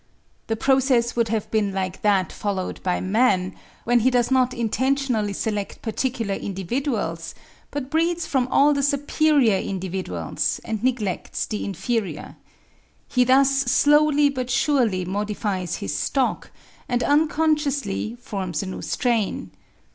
The process would have been like that followed by man, when he does not intentionally select particular individuals, but breeds from all the superior individuals, and neglects the inferior. He thus slowly but surely modifies his stock, and unconsciously forms a new strain.